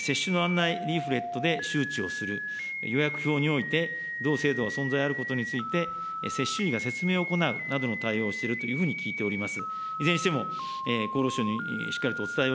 あるいは接種の案内リーフレットで周知をする、予約表において同制度が存在あることについて、接種医が説明を行うというふうに対応をしているというふうに聞いております。